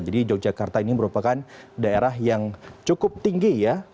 jadi yogyakarta ini merupakan daerah yang cukup tinggi ya